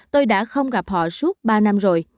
tôi đã không gặp họ suốt ba năm rồi